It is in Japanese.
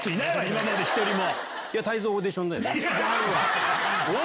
今まで一人も。